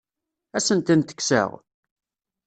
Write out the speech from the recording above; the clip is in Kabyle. Ad asen-tent-kkseɣ?